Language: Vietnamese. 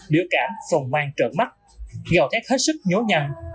đưa cản phòng mang trợn mắt gạo thét hết sức nhố nhằm